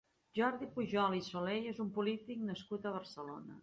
Jordi Pujol i Soley és un polític nascut a Barcelona.